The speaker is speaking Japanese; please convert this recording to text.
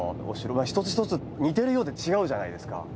お城は一つ一つ似ているようで違うじゃないですか。